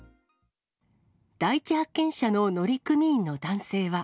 第一発見者の乗組員の男性は。